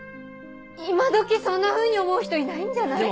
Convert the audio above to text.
今どきそんなふうに思う人いないんじゃない？